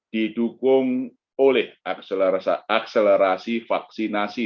didukung oleh akselerasi vaksinasi